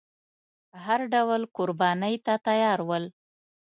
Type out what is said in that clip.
هر ډول قربانۍ ته تیار ول.